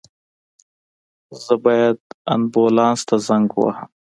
زه باید آنبولاس ته زنګ ووهم